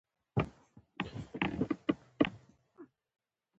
هندوکش د جغرافیوي تنوع یو مثال دی.